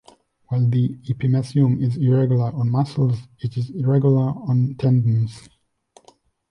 While the epimysium is irregular on muscles, it is regular on tendons.